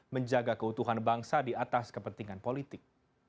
menjaga keutuhan bangsa di atas kepentingan politik